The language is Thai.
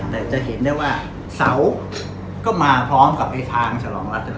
แต่จะเห็นได้ว่าเสาก็มาพร้อมกับไอ้ทางฉลองรัฐนา